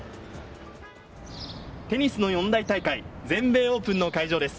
テニスの四大大会、全米オープンの会場です。